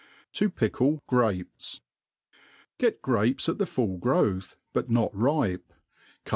To pickle Grcpesm GET grapes at the full growth, but not ripe ; cut.